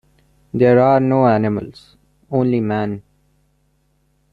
There are no animals, only man.